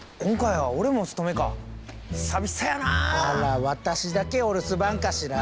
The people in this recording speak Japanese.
あらっ私だけお留守番かしら？